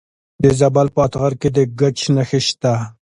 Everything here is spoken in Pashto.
د زابل په اتغر کې د ګچ نښې شته.